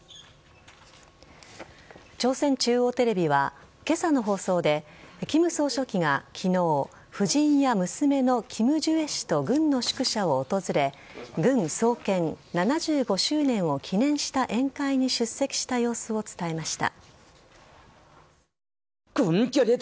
朝鮮中央テレビは今朝の放送で金総書記が昨日夫人や娘のキム・ジュエ氏と軍の宿舎を訪れ軍創建７５周年を記念した宴会に出席した様子を伝えました。